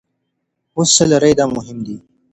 اوس څه لرئ دا مهم دي.